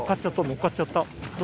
乗っかっちゃった！